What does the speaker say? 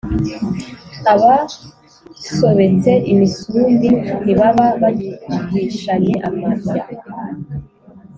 abasobetse imisumbi ntibaba bagihishanye amabya.